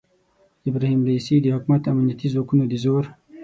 د ابراهیم رئیسي د حکومت امنیتي ځواکونو د زور